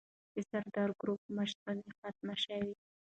د سردارو ګروپ مشراني ختمه سوې ده.